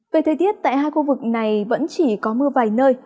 về thời tiết tại hai khu vực này vẫn chỉ có mưa vài nơi